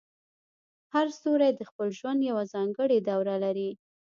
هر ستوری د خپل ژوند یوه ځانګړې دوره لري.